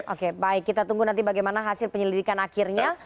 oke baik kita tunggu nanti bagaimana hasil penyelidikan akhirnya